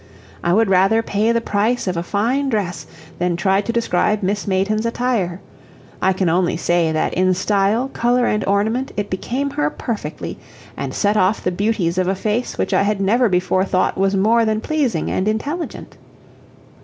I would rather pay the price of a fine dress than try to describe Miss Mayton's attire; I can only say that in style, color and ornament it became her perfectly, and set off the beauties of a face which I had never before thought was more than pleasing and intelligent.